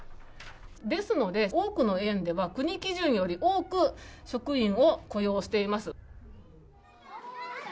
ですので、多くの園では国基準より多く職員を雇用しています。